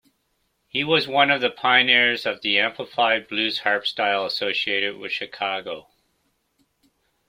He was one of the pioneers of the amplified blues harp-style associated with Chicago.